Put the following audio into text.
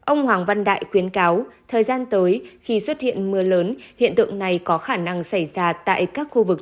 ông hoàng văn đại khuyến cáo thời gian tới khi xuất hiện mưa lớn hiện tượng này có khả năng xảy ra tại các khu vực